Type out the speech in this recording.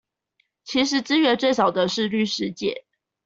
其實資源最少的是律師界